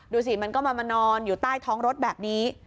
ดูสิมันก็มานอนอยู่ใต้ท้องรถแบบนี้